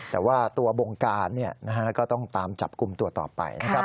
แต่ว่าตัวบงการก็ต้องตามจับกลุ่มตัวต่อไปนะครับ